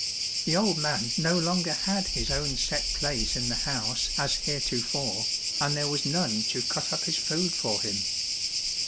The old man no longer had his own set place in the house as heretofore, and there was none to cut up his food for him.